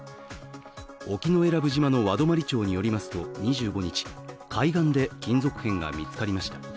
沖永良部島の和泊町によりますと２５日海岸で金属片が見つかりました。